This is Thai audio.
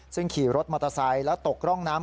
ซึ่งขี่รถมอเตอร์ไซค์แล้วตกร่องน้ำ